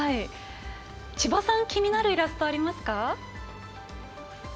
千葉さん気になるイラストありますか。